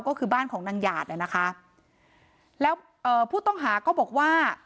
ก็คือบ้านของนางหยาดเนี่ยนะคะแล้วเอ่อผู้ต้องหาก็บอกว่า